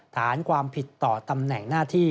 ฐานความผิดต่อตำแหน่งหน้าที่